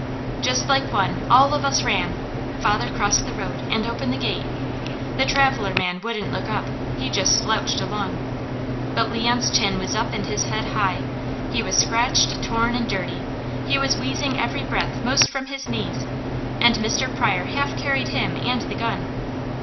Just like one, all of us ran; father crossed the road, and opened the gate. The traveller man wouldn't look up, he just slouched along. But Leon's chin was up and his head high. He was scratched, torn, and dirty. He was wheezing every breath most from his knees, and Mr. Pryor half carried him and the gun.